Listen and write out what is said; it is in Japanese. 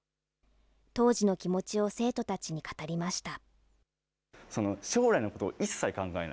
当時の気持ちを生徒たちに語りました。